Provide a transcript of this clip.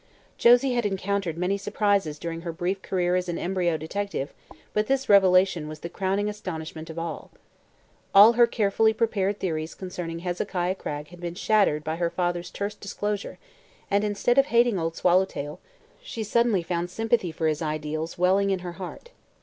Josie had encountered many surprises during her brief career as an embryo detective, but this revelation was the crowning astonishment of her life. All her carefully prepared theories concerning Hezekiah Cragg had been shattered by her father's terse disclosure and instead of hating Old Swallowtail she suddenly found sympathy for his ideals welling in her heart.